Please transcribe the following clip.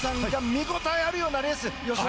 見応えあるようなレースですね。